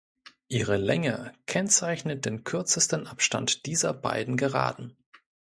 Ihre Länge kennzeichnet den kürzesten Abstand dieser beiden Geraden.